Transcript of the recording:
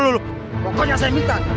pokoknya saya minta